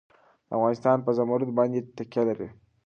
افغانستان په زمرد باندې تکیه لري.